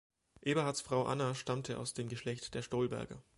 Eberhards Frau Anna stammte aus dem Geschlecht der Stolberger.